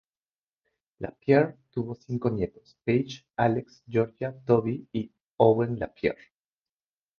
LaPierre tuvo cinco nietos: Paige, Alex, Georgia, Toby y Owen LaPierre.